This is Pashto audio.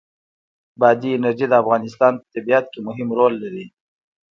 بادي انرژي د افغانستان په طبیعت کې مهم رول لري.